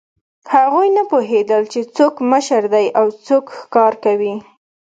هغوی نه پوهېدل، چې څوک مشر دی او څوک ښکار کوي.